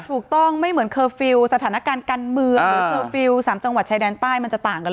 ไม่เหมือนเคอร์ฟิลล์สถานการณ์การเมืองหรือเคอร์ฟิลล์๓จังหวัดชายแดนใต้มันจะต่างกันเลย